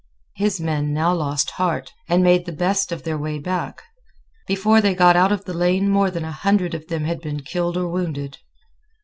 His men now lost heart, and made the best of their way back. Before they got out of the lane more than a hundred of them had been killed or wounded.